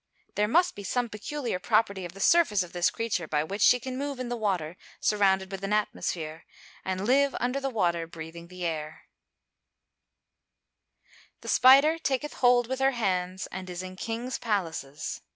There must be some peculiar property of the surface of this creature by which she can move in the water surrounded with an atmosphere, and live under the water breathing the air. [Verse: "The spider taketh hold with her hands, and is in king's palaces."